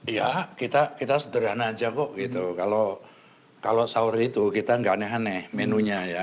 iya kita sederhana aja kok gitu kalau sahur itu kita nggak aneh aneh menunya ya